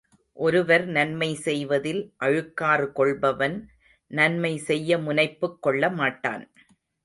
ஒருவர் நன்மை செய்வதில் அழுக்காறு கொள்பவன், நன்மை செய்ய முனைப்புக் கொள்ள மாட்டான்.